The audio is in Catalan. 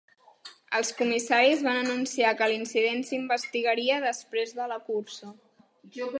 Els comissaris van anunciar que l'incident s'investigaria després de la cursa.